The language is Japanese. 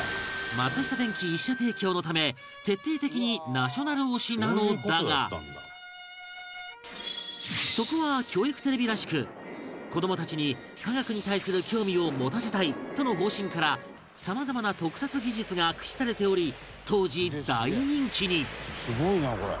松下電器１社提供のため徹底的にナショナル推しなのだがそこは教育テレビらしく子どもたちに科学に対する興味を持たせたいとの方針からさまざまな特撮技術が駆使されており、当時大人気に伊達：すごいな、これ。